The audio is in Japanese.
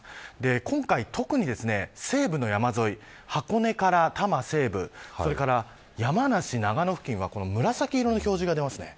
今回、特に西部の山沿い箱根から多摩西部、それから山梨、長野付近はこの紫色の表示が出ます。